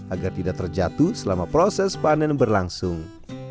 agar tidak terjatuh selama proses panen berlangsung